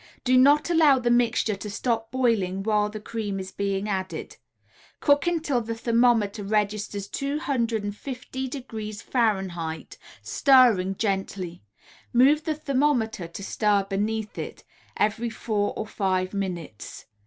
Do not allow the mixture to stop boiling while the cream is being added. Cook until the thermometer registers 250° F., stirring gently move the thermometer, to stir beneath it every four or five minutes.